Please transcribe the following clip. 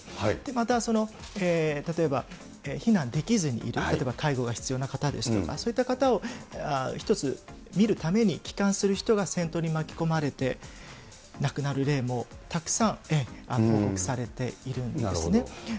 また例えば避難できずにいる、例えば介護が必要な方ですとか、そういった方をひとつ、見るために、帰還する人が戦闘に巻き込まれて亡くなる例もたくさん報告されているんですね。